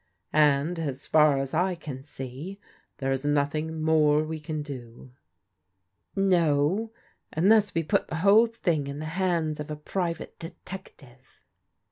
" And as far as I can see, there is nothing more we can do." " No, unless we put the whole thing in the hands of a private detective."